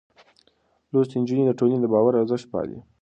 لوستې نجونې د ټولنې د باور ارزښت پالي.